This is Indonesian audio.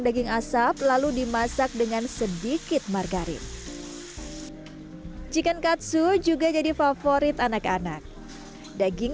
daging asap lalu dimasak dengan sedikit margarin chicken katsu juga jadi favorit anak anak daging